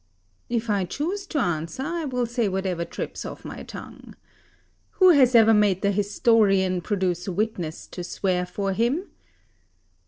If I choose to answer, I will say whatever trips off my tongue. Who has ever made the historian produce witness to swear for him?